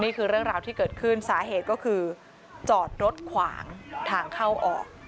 นี่คือเรื่องราวที่เกิดขึ้นสาเหตุก็คือจอดรถขวางทางเข้าออก